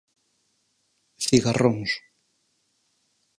Cigarróns.